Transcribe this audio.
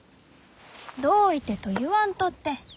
「どういて？」と言わんとって。